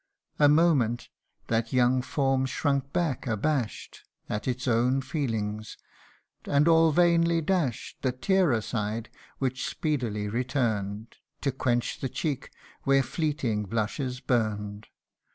A moment, that young form shrunk back abash 'd At its own feelings ; and all vainly dash'd The tear aside, which speedily return'd To quench the cheek where fleeting blushes burn'd.